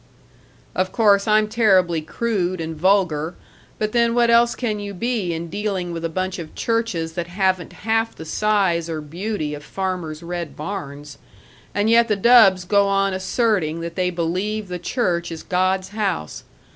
"Of course, I'm terribly crude and vulgar, but then what else can you be in dealing with a bunch of churches that haven't half the size or beauty of farmers' red barns? And yet the dubs go on asserting that they believe the church is God's house.